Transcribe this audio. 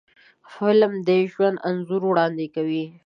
فلم د ژوند انځور وړاندې کوي